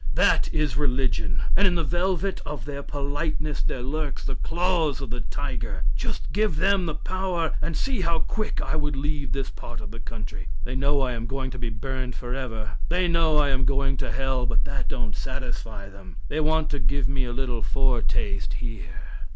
That is religion, and in the velvet of their politeness there lurks the claws of the tiger. Just give them the power and see how quick I would leave this part of the country. They know I am going to be burned forever; they know I am going to hell, but that don't satisfy them. They want to give me a little foretaste here.